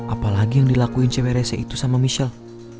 apalagi yang dilakuin cw rese itu sama michelle